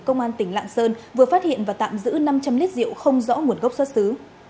công an tỉnh lạng sơn vừa phát hiện và tạm giữ năm trăm linh lít rượu không rõ nguồn gốc xuất xứ